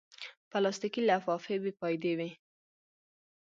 پلاستيکي لفافې بېفایدې وي.